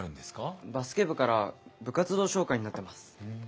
バスケ部から部活動紹介になってます。